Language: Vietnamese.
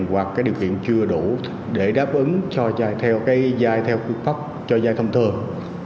hoặc cái điều kiện chưa đủ để đáp ứng cho giai theo quy tắc cho giai thông thường